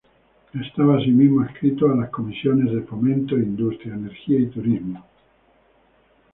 Estaba así mismo adscrito a las comisiones de Fomento e Industria, Energía y Turismo.